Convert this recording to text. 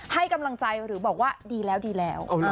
ให้กำลังใจหรือบอกว่าดีแล้วดีแล้ว